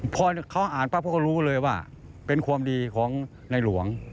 พอเขาอ่านปั๊บเขาก็รู้เลยว่าเป็นความดีของในหลวง